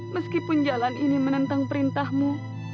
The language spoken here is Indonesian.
meskipun jalan ini menentang perintahmu